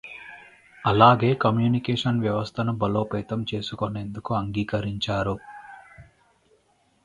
అలాగే కమ్యూనికేషన్ వ్యవస్థను బలోపేతం చేసుకొనేందుకు అంగీకరించారు.